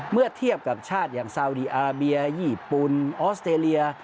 เมื่อเทียบกับชาติอย่างซาวดีอาเบียญี่ปุ่นออสเตรเลีย